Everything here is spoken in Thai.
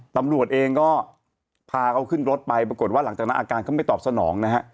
ตำรวจเองก็พาเขาขึ้นรถไปปรากฏว่าหลังจากนั้นอาการก็ไม่ตอบสนองนะฮะ